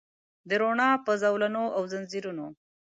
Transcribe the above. د روڼا په زولنو او ځنځیرونو